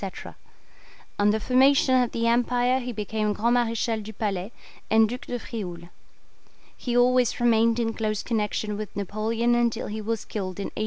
On the formation of the Empire he became Grand Marechal du Palais, and Duc de Frioul. He always remained in close connection with Napoleon until he was killed in 1813.